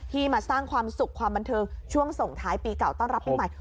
มาสร้างความสุขความบันเทิงช่วงส่งท้ายปีเก่าต้อนรับปีใหม่